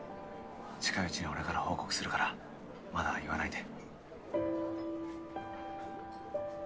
近いうちに俺から報告するからまだ言わないで。